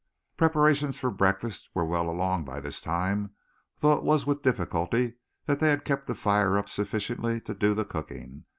Preparations for breakfast were well along by this time, though it was with difficulty that they had kept the fire up sufficiently to do the cooking.